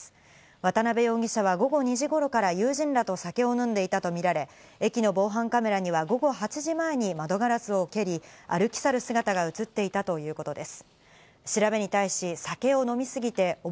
渡辺容疑者は午後２時頃から友人らと酒を飲んでいたとみられ、駅の防犯カメラには午後８時前に窓ガラスを蹴り、歩き去る姿が映っていたということです。